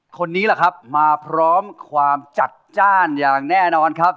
คนนี้แหละครับมาพร้อมความจัดจ้านอย่างแน่นอนครับ